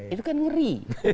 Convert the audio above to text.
itu kan ngeri